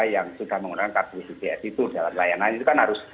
yang sudah menggunakan kartu bps itu dalam layanan itu kan harus